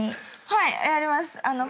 はいやります。